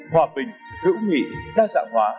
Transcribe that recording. hòa bình hữu nghị đa dạng hóa